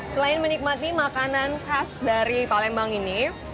selain menikmati makanan khas dari palembang ini